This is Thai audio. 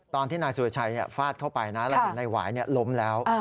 ตอนที่นายสุรชัยฟาดเข้าไปนะในหวายล้มแล้ว